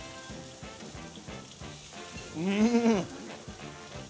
うん！